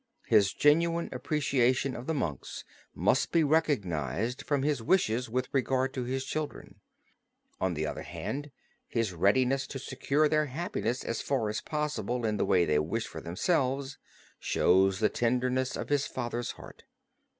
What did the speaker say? His genuine appreciation of the monks must be recognized from his wishes with regard to his children. On the other hand his readiness to secure their happiness as far as possible in the way they wished for themselves shows the tenderness of his fatherly heart.